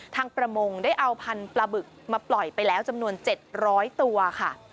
ประมงได้เอาพันธุ์ปลาบึกมาปล่อยไปแล้วจำนวน๗๐๐ตัวค่ะ